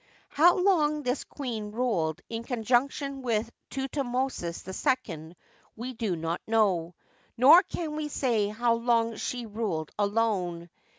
How long this queen ruled in conjunction with Thut mosis II we do not know ; nor can we say how long she ruled alone.